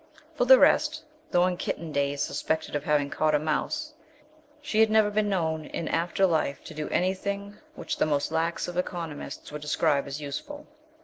For the rest, though in kitten days suspected of having caught a mouse, she had never been known in after life to do anything which the most lax of economists could describe as useful.